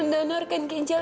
alena menggunakan ginjal